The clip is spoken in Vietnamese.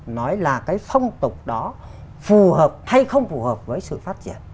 nói là cái phong tục đó phù hợp hay không phù hợp với sự phát triển